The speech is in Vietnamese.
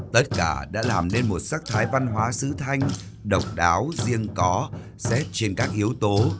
tất cả đã làm nên một sắc thái văn hóa sứ thanh độc đáo riêng có xét trên các yếu tố